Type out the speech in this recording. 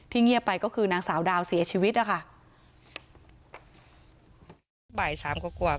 ที่เงียบไปก็คือนางสาวดาวเสียชีวิตค่ะ